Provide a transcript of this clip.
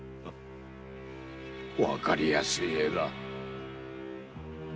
わかりやすい絵だ。